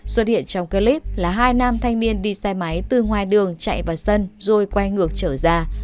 xuất hiện trong clip là hai nam thanh niên đi xe máy từ ngoài đường chạy vào sân rồi quay ngược trở ra